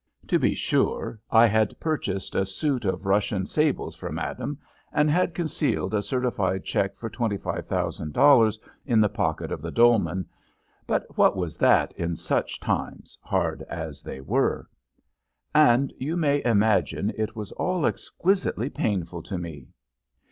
To be sure, I had purchased a suit of Russian sables for madam, and had concealed a certified check for $25,000 in the pocket of the dolman, but what was that in such times, hard as they were! And you may imagine it was all exquisitely painful to me.